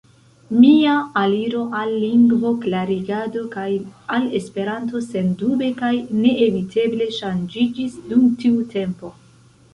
Mia aliro al lingvoklarigado kaj al Esperanto sendube kaj neeviteble ŝanĝiĝis dum tiu tempo.